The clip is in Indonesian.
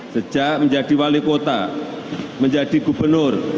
saya akan menjadi wakil dari kota menjadi gubernur